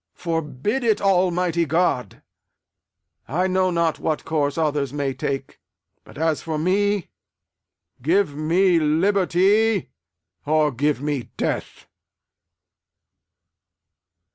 Forbid it, Almighty God! I know not what course others may take; but as for me, give me liberty or give me death!